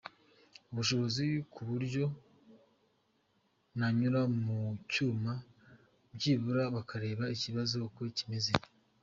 ubushobozi ku buryo nanyura mu cyuma byibura bakareba ikibazo uko kimeze”.